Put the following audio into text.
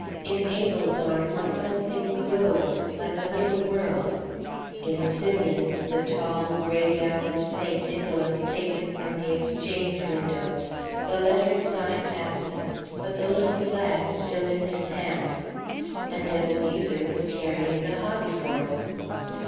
In Abel's arms was something globed, like a little world; in Simeon's, the tall, gray gowned Saint Nicholas taken from the Exchange window, the lettered sign absent, but the little flag still in his hand; and Ebenezer was carrying the hobbyhorse.